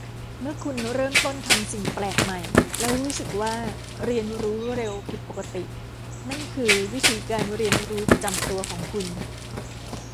เมื่อคุณเริ่มต้นทำสิ่งแปลกใหม่แล้วรู้สึกว่าเรียนรู้เร็วผิดปกติ นั่นคือวิถีการเรียนรู้ประจำตัวของคุณ